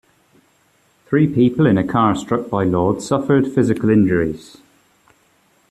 Three people in a car struck by Laud suffered physical injuries.